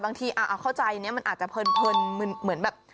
บางทีเข้าใจมันอาจจะเผินเหมือนแบบ